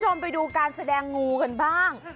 คุณผู้ชมไปดูการแสดงงูกันบ้าง